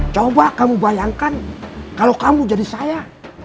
coba kamu bayangkan kalau kamu jadi saya